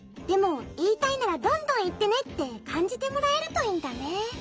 でもいいたいならどんどんいってね」ってかんじてもらえるといいんだね。